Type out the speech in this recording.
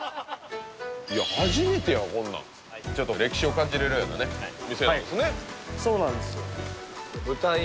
初めてやこんなんちょっと歴史を感じれるようなね店なんですねそうなんですあ